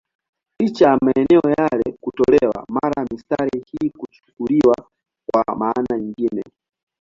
Licha ya maneno yale kutolewa, mara mistari hii huchukuliwa kwa maana nyingine.